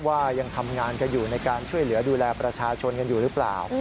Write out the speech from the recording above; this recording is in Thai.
ว่ายังทำงานกันอยู่ในการช่วยเหลือดูแลประชาชนกันอยู่หรือเปล่า